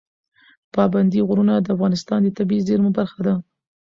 پابندی غرونه د افغانستان د طبیعي زیرمو برخه ده.